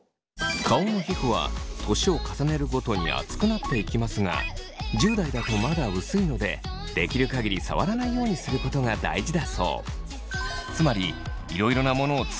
顔の皮膚は年を重ねるごとに厚くなっていきますが１０代だとまだ薄いのでできる限り触らないようにすることが大事だそう。